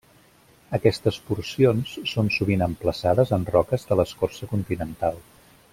Aquestes porcions són sovint emplaçades en roques de l'escorça continental.